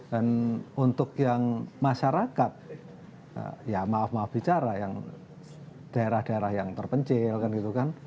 dan untuk yang masyarakat ya maaf maaf bicara yang daerah daerah yang terpencil gitu kan